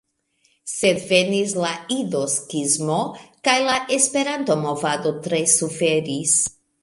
Sed venis la Ido-skismo, kaj la Esperanto-movado tre suferis.